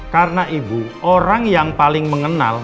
karena ibu orang yang paling mengenal